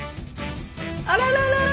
あらららら？